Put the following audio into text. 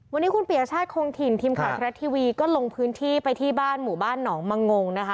วันนี้คุณปียชาติคงถิ่นทีมข่าวทรัฐทีวีก็ลงพื้นที่ไปที่บ้านหมู่บ้านหนองมะงงนะคะ